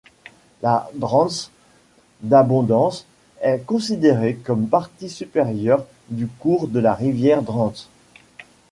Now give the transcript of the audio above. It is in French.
La Dranse d'Abondance est considérée comme partie supérieure du cours de la rivière Dranse.